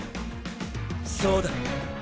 そうだ！！